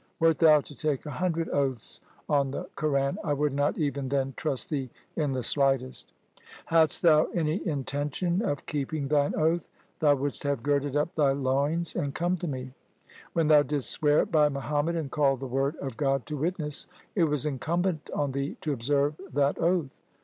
Wert thou to take a hundred oaths on the Quran, I would not even then trust thee in the slightest. 204 THE SIKH RELIGION Hadst thou any intention of keeping thine oath, thou wouldst have girded up thy loins and come to me. When thou didst swear by Muhammad and called the word of God to witness, it was incumbent on thee to observe that oath.